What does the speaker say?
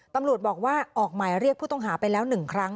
ตำรวจบอกว่าออกหมายเรียกผู้ต้องหาไปแล้ว๑ครั้ง